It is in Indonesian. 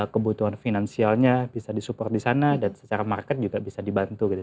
kebutuhan finansialnya bisa disupport di sana dan secara market juga bisa dibantu gitu